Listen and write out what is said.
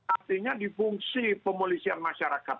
artinya di fungsi pemelisian masyarakat ini